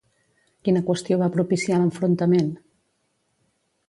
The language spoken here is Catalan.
Quina qüestió va propiciar l'enfrontament?